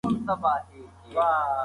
زده کړه انسان ته اعتماد په نفس ورکوي.